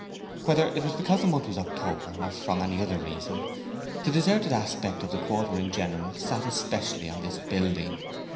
Whether it was because the month was October, or from any other reason, the deserted aspect of the quarter in general sat especially on this building.